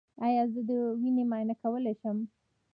ایا زه د وینې معاینه کولی شم؟